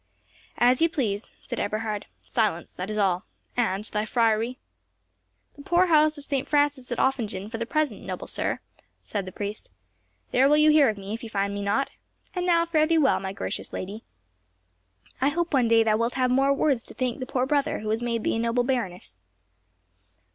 "As you please," said Eberhard. "Silence, that is all! And thy friary—?" "The poor house of St. Francis at Offingen for the present, noble sir," said the priest. "There will you hear of me, if you find me not. And now, fare thee well, my gracious lady. I hope one day thou wilt have more words to thank the poor brother who has made thee a noble Baroness."